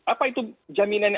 apa itu jaminannya